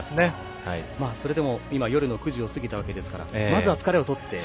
それでも、今夜９時を過ぎたところですからまずは疲れをとって。